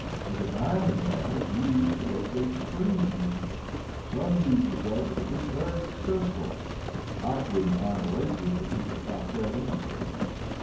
"A divining rod is used to locate springs. Some users of it have been very successful. I couldn't find a lake with it, even if I fell in first."